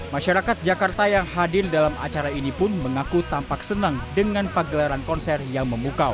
masyarakat jakarta yang hadir dalam acara ini pun mengaku tampak senang dengan pagelaran konser yang memukau